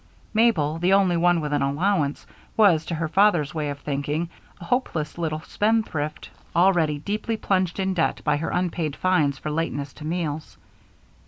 Mabel, the only one with an allowance, was, to her father's way of thinking, a hopeless little spendthrift, already deeply plunged in debt by her unpaid fines for lateness to meals.